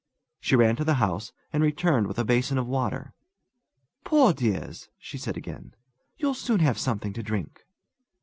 She ran to the house, and returned with a basin of water. "Poor dears!" she said again. "You'll soon have something to drink."